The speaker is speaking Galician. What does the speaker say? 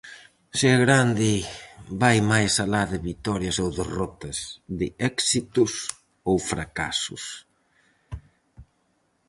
Ser grande vai máis alá de vitorias ou derrotas, de éxitos ou fracasos.